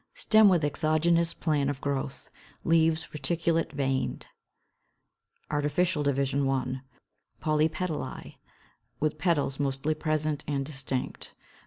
Stem with exogenous plan of growth. Leaves reticulate veined, Artificial Division I. POLYPETALÆ, with petals mostly present and distinct.